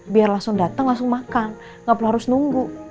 biar langsung datang langsung makan gak perlu harus nunggu